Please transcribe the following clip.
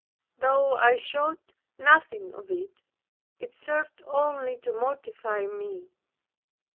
Though I showed nothing of it, it served only to mortify me.